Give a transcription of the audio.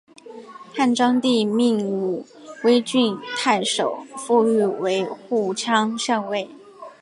汉章帝命武威郡太守傅育为护羌校尉。